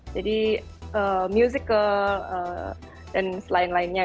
jadi musical dan lain lainnya